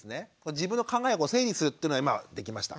自分の考えを整理するっていうのは今できました。